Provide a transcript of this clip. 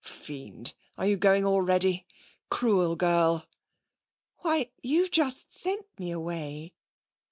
'Fiend! Are you going already? Cruel girl!' 'Why you've just sent me away!'